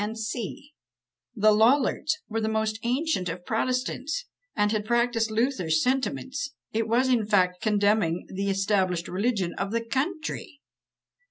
" The Lollards were the most ancient of protestants, and had practised Luther's sentiments; it was, in fact, condemning the established religion of the country!